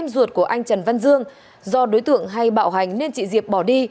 ruột của anh trần văn dương do đối tượng hay bạo hành nên chị diệp bỏ đi